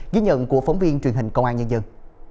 ghi nhận của phóng viên truyền hình công an nhân dân